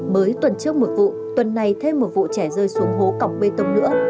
mới tuần trước một vụ tuần này thêm một vụ trẻ rơi xuống hố cọc bê tông nữa